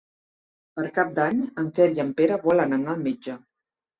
Per Cap d'Any en Quer i en Pere volen anar al metge.